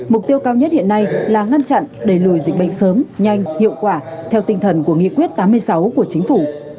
mục tiêu cao nhất hiện nay là ngăn chặn đẩy lùi dịch bệnh sớm nhanh hiệu quả theo tinh thần của nghị quyết tám mươi sáu của chính phủ